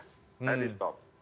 saya di stop